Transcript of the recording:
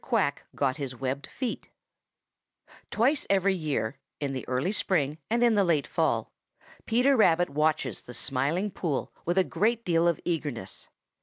QUACK GOT HIS WEBBED FEET Twice every year, in the early spring and in the late fall, Peter Rabbit watches the Smiling Pool with a great deal of eagerness.